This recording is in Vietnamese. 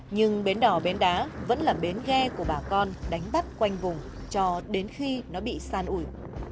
nhưng bến đỏ bến đá vẫn là bến ghe của bà con đánh bắt quanh vùng cho đến khi nó bị san ủi